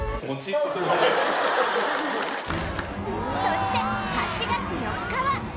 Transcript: そして８月４日は